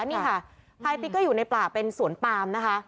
นี่ค่ะพายติ๊กก็อยู่ในป่าเป็นสวนปามนะคะ